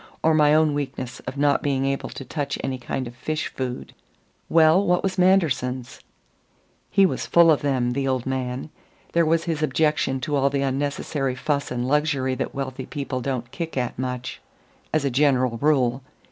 or my own weakness of not being able to touch any kind of fish food." "Well, what was Manderson's?" "He was full of them the old man. There was his objection to all the unnecessary fuss and luxury that wealthy people don't kick at much, as a general rule.